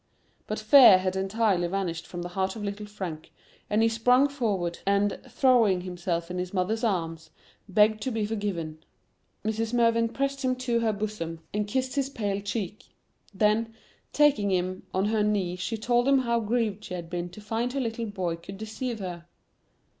But Fear had entirely vanished from the heart of little Frank, and he sprung forward, and, throwing himself in his mother's arms, begged to be forgiven, Mrs. Mervyn pressed him to her bosom and kissed his pale cheek; then, taking him on her knee, she told him how grieved she had been to find her little boy could deceive her.